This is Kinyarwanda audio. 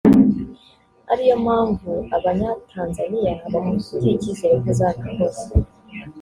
ariyo mpamvu abanyatanzaniya bamufitiye ikizere ko azabikora